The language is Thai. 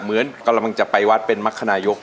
เหมือนกำลังจะไปวัดเป็นมรรคนายก